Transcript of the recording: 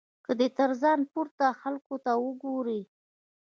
که دی تر ځان پورته خلکو ته وګوري.